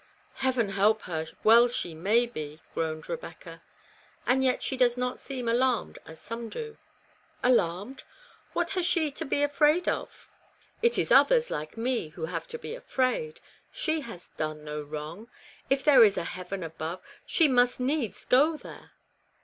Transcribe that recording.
" Heaven help her, well she may be," groaned Rebecca. " And yet she does not seem alarmed as some do." "Alarmed? What has she to be afraid of? 214 REBECCAS REMORSE. It is others, like me, who have to be afraid. She has done no wrong; if there is a heaven above, she must needs go there."